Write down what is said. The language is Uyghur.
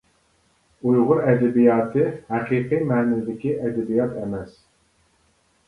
ئۇيغۇر ئەدەبىياتى ھەقىقىي مەنىدىكى ئەدەبىيات ئەمەس.